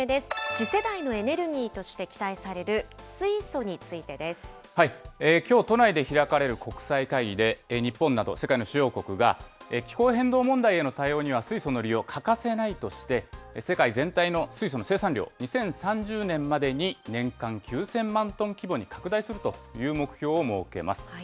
次世代のエネルギーとして期待さきょう、都内で開かれる国際会議で、日本など世界の主要国が、気候変動問題への対応には、水素の利用が欠かせないとして、世界全体の水素の生産量、２０３０年までに年間９０００万トン規模に拡大するという目標を設けます。